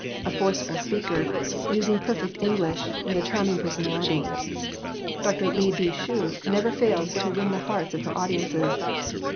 A forceful speaker, using perfect English, with a charming personality, Dr. Li Bi Cu never fails to win the hearts of her audiences.